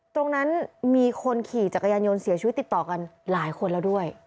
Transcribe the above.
มีคนขี่จักรยานยนต์เสียชีวิตติดต่อกันหลายคนแล้วด้วย